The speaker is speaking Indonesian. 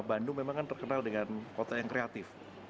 bandung memang kan terkenal dengan kota yang kreatif